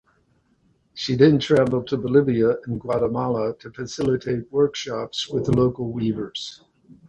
She then traveled to Bolivia and Guatemala to facilitate workshops with local weavers.